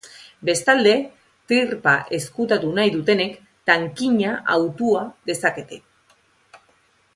Bestalde, trirpa ezkutatu nahi dutenek tankinia hauta dezakete.